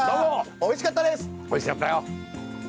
おいしかったよ！